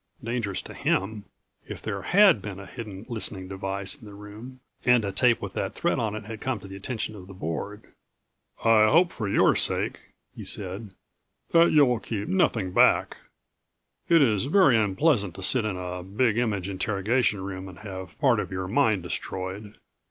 Dangerous to him ... if there had been a hidden listening device in the room and a tape with that threat on it had come to the attention of the Board. "I hope, for your sake," he said, "that you'll keep nothing back. It is very unpleasant to sit in a Big Image interrogation room and have part of your mind destroyed.